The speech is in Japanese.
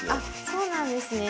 そうなんですね？